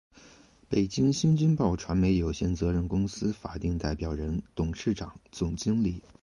北京新京报传媒有限责任公司法定代表人、董事长、总经理